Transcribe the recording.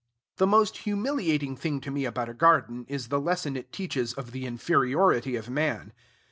The most humiliating thing to me about a garden is the lesson it teaches of the inferiority of man.